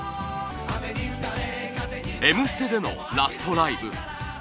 『Ｍステ』でのラストライブ。